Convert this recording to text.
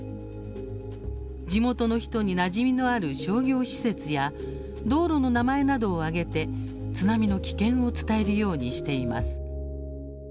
地元の人になじみのある商業施設や道路の名前などを挙げて津波の危険を伝えるようにしています。